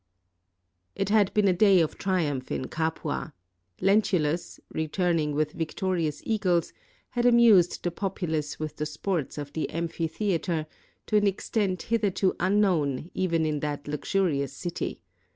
] It had been a day of triumph in Capua. Lentulus, returning with victorious eagles, had amused the popu lace with the sports of the amphitheater to an extent hitherto unknown even in that luxurious city.